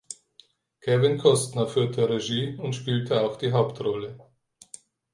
Kevin Costner führte Regie und spielte auch die Hauptrolle.